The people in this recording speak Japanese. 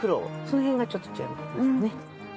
その辺がちょっと違うんですね。